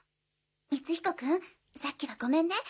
光彦君さっきはごめんね。